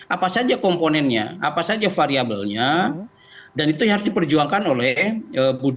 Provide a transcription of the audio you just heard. apa saja komponennya apa saja variabelnya dan itu harus diperjuangkan oleh ibu dia